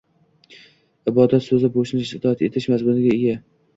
“Ibodat” so‘zi “bo‘ysunish”, “itoat etish” mazmuniga ega.